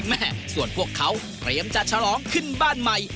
แม่ส่วนพวกเขาเตรียมจัดฉลองขึ้นบ้านใหม่